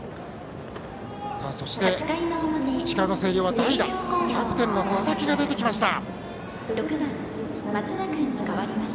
そして石川・星稜は代打キャプテンの佐々木が出てきました。